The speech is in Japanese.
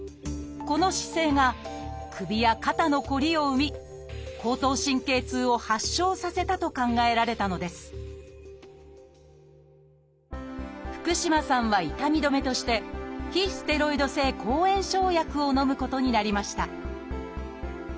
この姿勢が首や肩のこりを生み後頭神経痛を発症させたと考えられたのです福嶋さんは痛み止めとして非ステロイド性抗炎症薬をのむことになりました